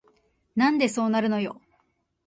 なんでそうなるのよ